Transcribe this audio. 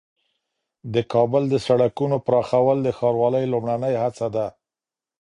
د کابل د سړکونو پراخول د ښاروالۍ لومړنۍ هڅه ده.